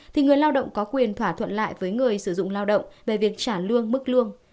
thì người lao động có quyền thỏa thuận lại với người sử dụng lao động về việc trả lương mức lương